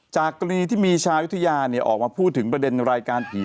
จากกรณีที่มีชาวุธยาออกมาพูดถึงประเด็นรายการผี